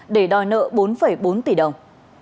để đòi nợ bốn bốn tỷ đồng